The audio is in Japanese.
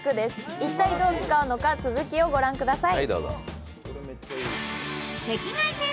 一体どう使うのか、続きを御覧ください。